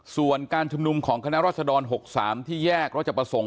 ส่วนการชุมนุมของคณะรัศดร๖๓ที่แยกรัชประสงค์